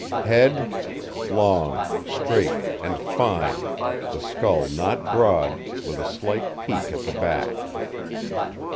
HEAD Long, straight, and fine, the skull not broad, with a slight peak at the back.